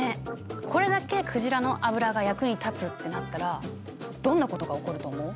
これだけ鯨の油が役に立つってなったらどんなことが起こると思う？